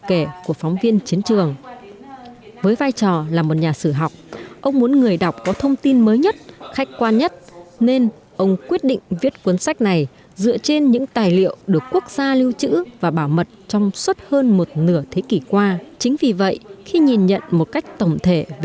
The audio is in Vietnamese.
đúng như những gì mà tác giả đã chia sẻ ông viết cuốn sách này dựa trên những tài liệu được quốc gia lưu trữ để người đọc tìm kiếm được sự thật